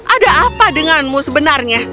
ada apa denganmu sebenarnya